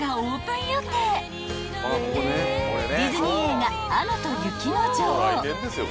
［ディズニー映画『アナと雪の女王』］